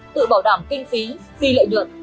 tự bảo đảm kinh phí phi lợi được